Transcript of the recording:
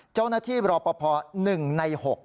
เจ้าหน้าที่รปภ๑ใน๖